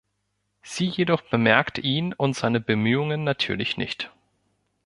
Sie jedoch bemerkt ihn und seine Bemühungen „natürlich nicht“.